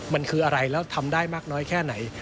มันคืออะไรแล้วทำได้มากน้อยแค่ไหน